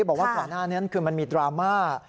บอกว่าก่อนหน้านั้นคือมันมีดราม่า